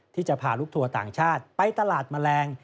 ที่จะพาลูกทัวร์ต่างชาติไปตลาดแมลง